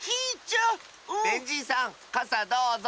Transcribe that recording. ベンじいさんかさどうぞ。